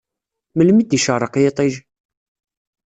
Melmi d-icerreq yiṭij?